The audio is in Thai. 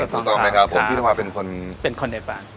สวัสดีครับพี่ธันวาเป็นคนเนปาล